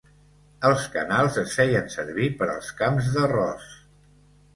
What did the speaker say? Els canals es feien servir per als camps d'arròs.